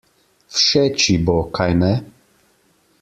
Všeč ji bo, kajne?